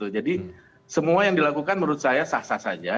jadi semua yang dilakukan menurut saya sah sah saja